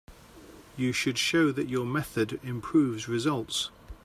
You should show that your method improves results.